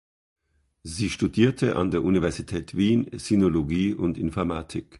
Sie studierte an der Universität Wien Sinologie und Informatik.